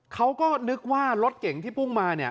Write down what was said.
เขาก็นึกว่ารถเก่งที่พุ่งมาเนี่ย